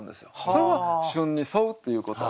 それは旬に沿うっていうこと。